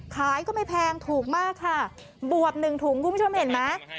ขายก็ไม่แพงถูกมากค่ะบวบหนึ่งถุงคุณผู้ชมเห็นไหม